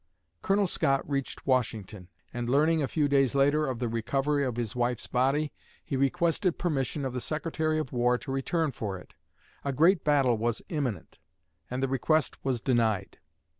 Colonel Scott reached Washington, and learning, a few days later, of the recovery of his wife's body, he requested permission of the Secretary of War to return for it. A great battle was imminent, and the request was denied.